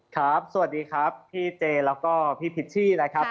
สวัสดีครับพี่เจแล้วก็พี่พิชชี่นะครับ